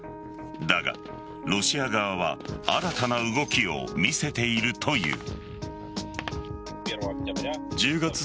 だが、ロシア側は新たな動きを見せているという。